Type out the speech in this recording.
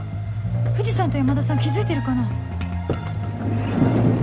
藤さんと山田さん気付いてるかな